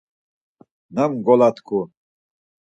Nam gola t̆ǩu!